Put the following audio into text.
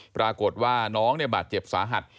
ปรากฏว่าน้องบาดเจ็บสาหัส